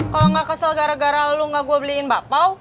kalau nggak kesel gara gara lu nggak gue beliin bakpao